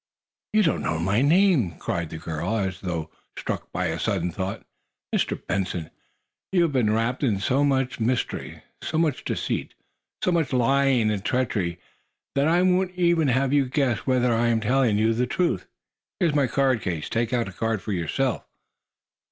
"You do not know my name," cried the girl, as though struck by a sudden thought. "Mr. Benson, you have been wrapped in so much mystery, so much deceit, so much lying and treachery that I won't even have you guess whether I am telling you the truth. Here is my card case. Take out a card for yourself."